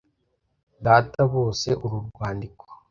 Data bose uru rwandiko